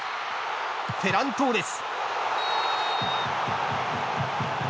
フェラン・トーレス。